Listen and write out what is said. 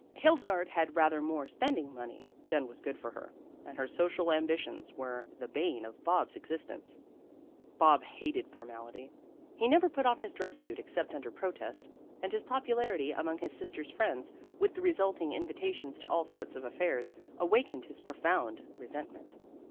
Hildegarde had rather more spending money than was good for her, and her social ambitions were the bane of Bob's existence. Bob hated formality. He never put on his dress suit except under protest, and his popularity among 156 QUITE INFORMAL 157 his sister's friends, with the resulting invi tations to all sorts of affairs, awakened his profound resentment.